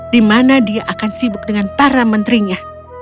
di mana dia akan sibuk dengan para menterinya